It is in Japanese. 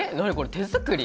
手作り？